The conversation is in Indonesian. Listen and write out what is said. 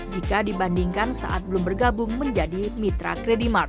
jika dibandingkan saat belum bergabung menjadi mitra credit mart